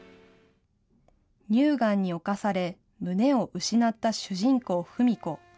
乳がんに侵され、胸を失った主人公、ふみ子。